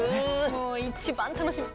もう一番楽しみ。